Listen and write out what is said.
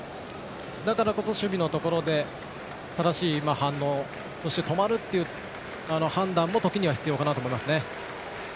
だからこそ守備のところで正しい反応そして止まるという判断も時には必要かなと思いますね。